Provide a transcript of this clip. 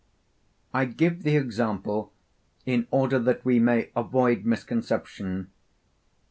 I give the example in order that we may avoid misconception.